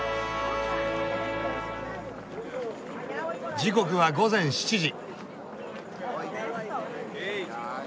時刻は午前７時。